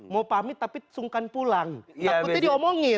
mau pamit tapi sungkan pulang takutnya diomongin